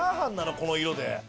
この色で。